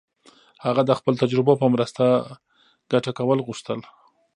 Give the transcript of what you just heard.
هغه د خپلو تجربو په مرسته ګټه کول غوښتل.